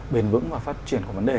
bền vững và phát triển của vấn đề